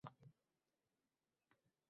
Boz ustiga, so‘z qishloq haqida ketayotganini